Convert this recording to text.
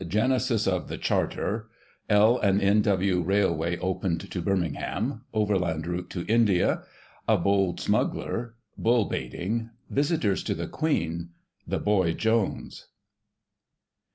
Genesis of "The Charter'* — L. & N. W. Railway opened to Birmingham — Overland route to India — ^A bold smuggler — Bull baiting — ^Visitors to the Queen—" The Boy Jones.